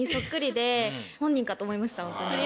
本人かと思いましたホントに。